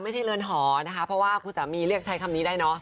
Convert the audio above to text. เรือนหอนะคะเพราะว่าคุณสามีเรียกใช้คำนี้ได้เนอะ